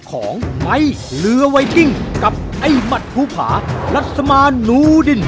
ของไม้เรือไวกิ้งกับไอ้หมัดภูผารัสมานูดิน